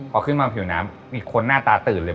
พอขึ้นมาผิวน้ำมีคนหน้าตาตื่นเลย